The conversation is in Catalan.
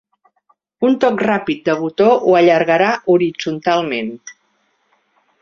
Un toc ràpid de botó ho allargarà horitzontalment.